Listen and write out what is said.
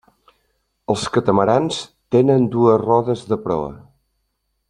Els catamarans tenen dues rodes de proa.